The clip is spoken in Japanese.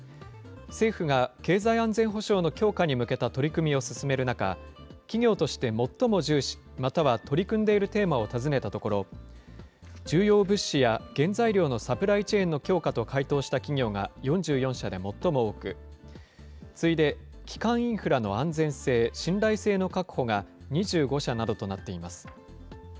政府が経済安全保障の強化に向けた取り組みを進める中、企業として最も重視、または取り組んでいるテーマを尋ねたところ、重要物資や原材料のサプライチェーンの強化と回答した企業が４４社で最も多く、次いで、基幹インフラの安全性・信頼性の確保が２５社などとなっています。